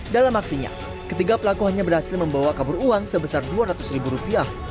dalam aksinya ketiga pelaku hanya berhasil membawa kabur uang sebesar dua ratus ribu rupiah